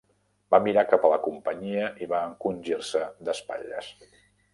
Va mirar cap a la companyia i va encongir-se d'espatlles.